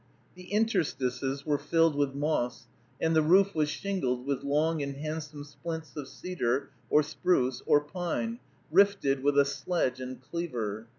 The interstices were filled with moss, and the roof was shingled with long and handsome splints of cedar, or spruce, or pine, rifted with a sledge and cleaver.